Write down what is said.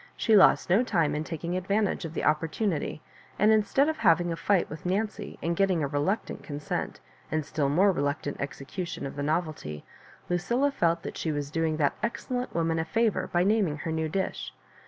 She lost no time in taking advan tage of the opportunity, and instead of having a fight with Nancy, and getting a reluctant con sent, and still more reluctant execution of the novelty, Lucilla felt that she was doing that excellent woman a favour by naming her new dish.